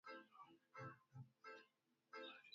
Ongeza sukari na ukoroge uji Ipua uji tayari